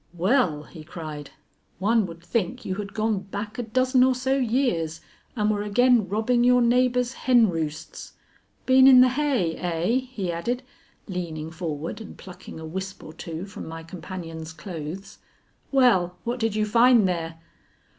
"Well!" he cried; "one would think you had gone back a dozen or so years and were again robbing your neighbor's hen roosts. Been in the hay, eh?" he added, leaning forward and plucking a wisp or two from my companion's clothes. "Well, what did you find there?"